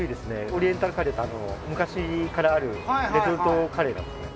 オリエンタルカレーって昔からあるレトルトカレーなんですね